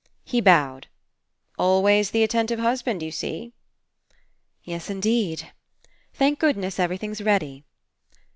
He bowed. "Always the attentive hus band, you see." "Yes indeed. Thank goodness, every thing's ready."